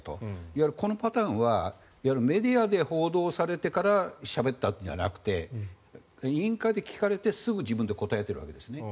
いわゆるこのパターンはメディアで報道されてからしゃべったんじゃなくて委員会で聞かれてすぐ自分で答えているわけですね。